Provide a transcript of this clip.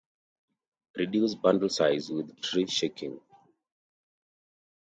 reduce bundle size with tree-shaking